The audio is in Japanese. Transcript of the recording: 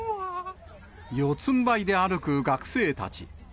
四つんばいで歩く学生たち。